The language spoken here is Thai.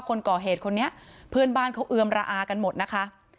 คนก่อเหตุคนนี้เพื่อนบ้านเขาเอือมระอากันหมดนะคะ